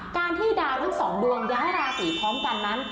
การที่ดาวทั้งสองดวงย้ายราศีพร้อมกันนั้น